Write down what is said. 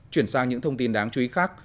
chuyển sang những thông tin đáng chú ý khác